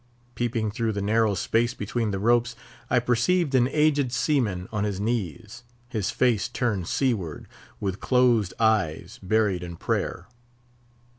Peeping through the narrow space between the ropes, I perceived an aged seaman on his knees, his face turned seaward, with closed eyes, buried in prayer.